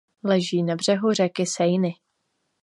Leží na břehu řeky Seiny.